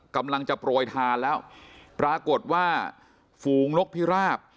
กำลังจะโปรยทานแล้วปรากฏว่าฝูงนกพิราบ